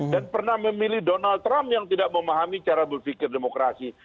dan pernah memilih donald trump yang tidak memahami cara berpikir demokrasi